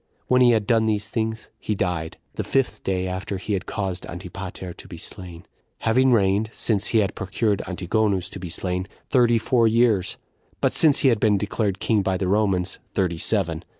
When he had done these things, he died, the fifth day after he had caused Antipater to be slain; having reigned, since he had procured Antigonus to be slain, thirty four years; but since he had been declared king by the Romans, thirty seven.